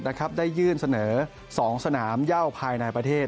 ล่าสุดได้ยื่นเสนอ๒สนามย่าวภายในประเทศ